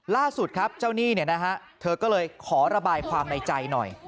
ล่าสุดครับเจ้าหนี้เธอก็เลยขอระบายความในใจหน่อย